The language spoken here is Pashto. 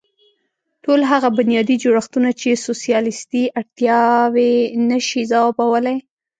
ټول هغه بنیادي جوړښتونه چې سوسیالېستي اړتیاوې نه شي ځوابولی.